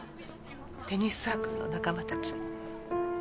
テニスサークルの仲間たち。